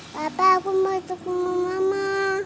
papa aku mau ke rumah mama